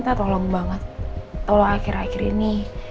tolong akhir akhir ini